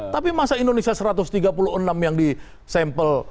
tapi masa indonesia satu ratus tiga puluh enam yang di sampel